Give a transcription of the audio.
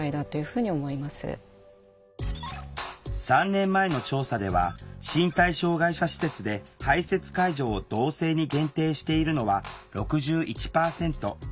３年前の調査では身体障害者施設で排せつ介助を同性に限定しているのは６１％。